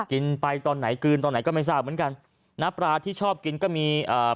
กินไปตอนไหนกลืนตอนไหนก็ไม่ทราบเหมือนกันนะปลาที่ชอบกินก็มีอ่า